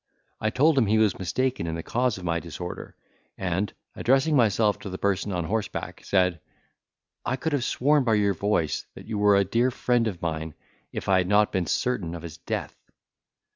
I told him he was mistaken in the cause of my disorder; and, addressing myself to the person on horseback said, "I could have sworn by your voice, that you were a dear friend of mine, if I had not been certain of his death."